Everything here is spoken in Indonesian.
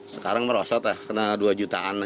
sekarang merosot ya kena dua jutaan gitu